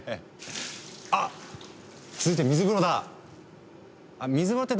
あっ続いて水風呂だ！